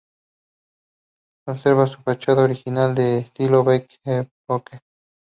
Conserva su fachada original, de estilo Belle Époque.